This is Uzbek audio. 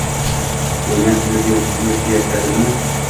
— O’ynab-kulib yuribsizmi? Suyak dadilmi?